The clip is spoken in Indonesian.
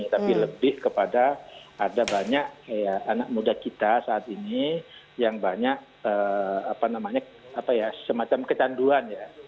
tapi lebih kepada ada banyak anak muda kita saat ini yang banyak semacam kecanduan ya